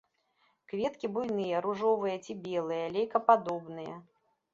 Кветкі буйныя, ружовыя ці белыя, лейкападобныя.